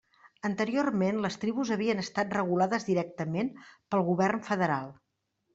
Anteriorment les tribus havien estat regulades directament pel govern federal.